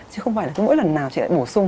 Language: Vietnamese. chứ không phải là cứ mỗi lần nào chị lại bổ sung